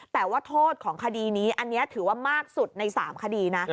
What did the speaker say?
แต่ว่าโทษของคดีนี้อันนี้ถือว่ามากสุดใน๓คดีนะ